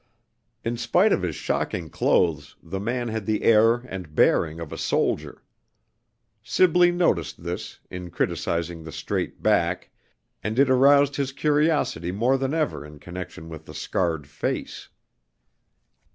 In spite of his shocking clothes, the man had the air and bearing of a soldier. Sibley noticed this, in criticizing the straight back, and it aroused his curiosity more than ever in connection with the scarred face.